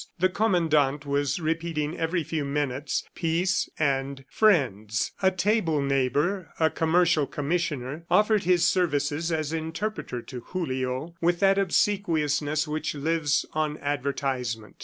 The Commandant was repeating every few minutes "peace" and "friends." A table neighbor, a commercial commissioner, offered his services as interpreter to Julio, with that obsequiousness which lives on advertisement.